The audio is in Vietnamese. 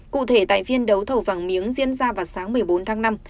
cụ thể tại phiên đấu thầu vàng miếng diễn ra vào sáng một mươi bốn tháng năm